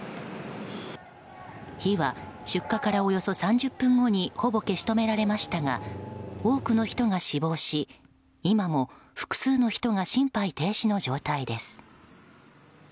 火は出火からおよそ３０分後にほぼ消し止められましたが多くの人が死亡し今も複数の人が心肺停止の状態です。